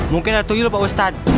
mungkin ada tuyul pak ustadz